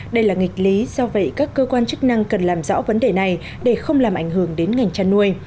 đây là nghịch lý do vậy các cơ quan chức năng cần làm rõ vấn đề này để không làm ảnh hưởng đến ngành chăn nuôi